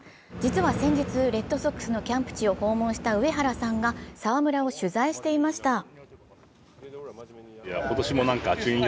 実は先日、レッドソックスのキャンプ地を訪問した上原さんが澤村を取材していました。